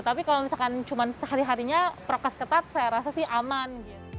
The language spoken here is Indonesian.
tapi kalau misalkan cuma sehari harinya prokes ketat saya rasa sih aman